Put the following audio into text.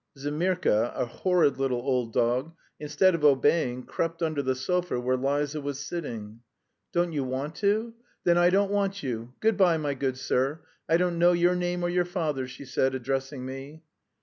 Zemirka, a horrid little old dog, instead of obeying, crept under the sofa where Liza was sitting. "Don't you want to? Then I don't want you. Good bye, my good sir, I don't know your name or your father's," she said, addressing me.